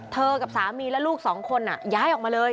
กับสามีและลูกสองคนย้ายออกมาเลย